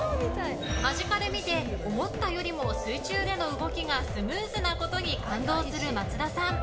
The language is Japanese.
間近で見て、思ったよりも水中での動きがスムーズなことに感動する松田さん。